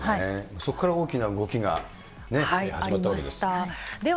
そこから大きな動きがね、始まったわけですね。